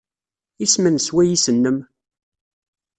Isem-nnes wayis-nnem?